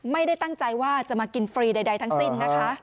ไม่ได้ตั้งใจว่าจะมากินฟรีใดทั้งสิ้นนะคะ